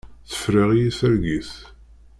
Tefreɣ-iyi targit.